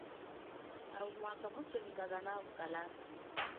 Au mwa kanthumika kanawa kukalasa.